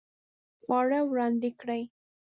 خواړه وړاندې کړئ